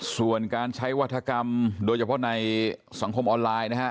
ส่วนการใช้วัฒกรรมโดยเฉพาะในสังคมออนไลน์นะฮะ